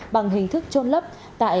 bằng hình thức trôn lấp tại